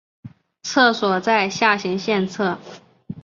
厕所在下行线侧。